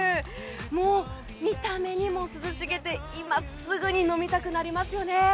もう、見た目にも涼しげで今すぐに飲みたくなりますよね。